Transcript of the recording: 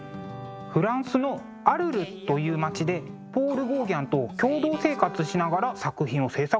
フランスのアルルという町でポール・ゴーギャンと共同生活しながら作品を制作したのですね。